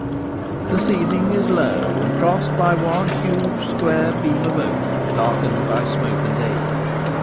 The ceiling is low and crossed by one huge square beam of oak, darkened by smoke and age.